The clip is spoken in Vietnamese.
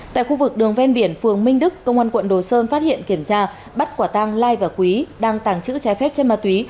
tại khu vực đường ven biển phường minh đức công an quận đồ sơn phát hiện kiểm tra bắt quả tăng lai và quý đang tảng chữ trái phép trên ma túy